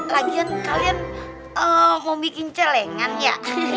lagian kalian mau bikin celengan ya